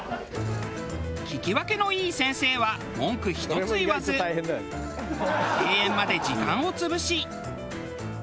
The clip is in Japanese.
聞き分けのいい先生は文句ひとつ言わず閉園まで時間を潰し。